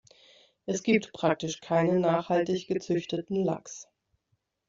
Es gibt praktisch keinen nachhaltig gezüchteten Lachs.